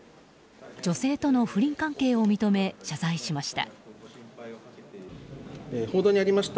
女性との不倫関係を認め謝罪しました。